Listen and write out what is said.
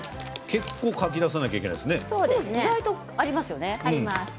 結構かき出さないといけないですね。